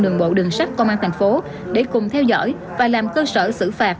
đường bộ đường sắt công an thành phố để cùng theo dõi và làm cơ sở xử phạt